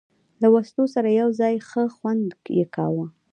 له وسلو سره یو ځای، ښه خوند یې کاوه.